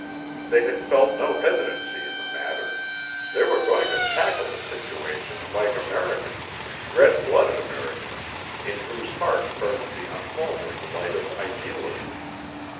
They had felt no hesitancy in the matter. They were going to tackle the situation like Americans red blooded Americans in whose heart burned the unfaltering light of idealism.